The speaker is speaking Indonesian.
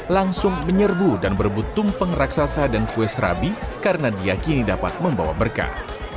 langsung menyerbu dan berbutung pengraksasa dan kues rabi karena diakini dapat membawa berkah